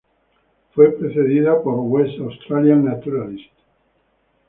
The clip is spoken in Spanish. Fue precedida por "West Australian Naturalist.